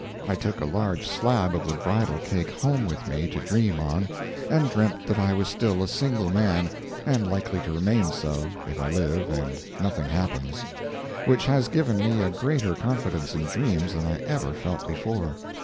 I took a large slab of the bridal cake home with me to dream on, and dreamt that I was still a single man, and likely to remain so, if I live and nothing happens—which has given me a greater confidence in dreams than I ever felt before.